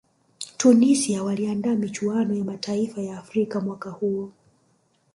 tunisia waliandaa michuano ya mataifa ya afrika mwaka huo